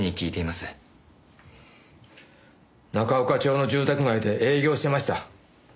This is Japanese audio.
中岡町の住宅街で営業してました。